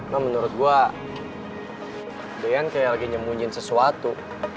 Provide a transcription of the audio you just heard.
nah menurut gue deyan kayak lagi nyemunyin sesuatu